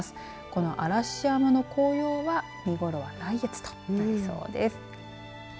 この嵐山の紅葉は見頃は来月となりそうです。